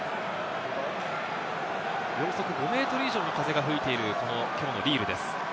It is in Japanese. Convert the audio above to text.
秒速５メートル以内の風が吹いている、きょうのリールです。